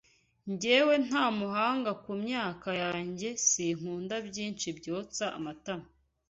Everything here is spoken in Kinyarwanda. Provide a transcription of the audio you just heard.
Ngewe Ntamuhanga ku myaka yange sinkunda ibyinshi byotsa amatama